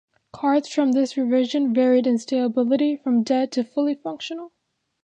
Cards from this revision varied in stability from dead to fully functional.